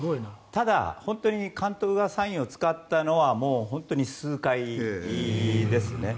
ただ、本当に監督がサインを使ったのは本当に数回ですね。